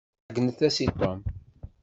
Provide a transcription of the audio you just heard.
Ɛeyynent-as i Tom.